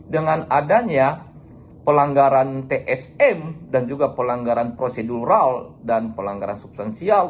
dengan adanya pelanggaran tsm dan juga pelanggaran prosedural dan pelanggaran substansial